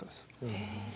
へえ。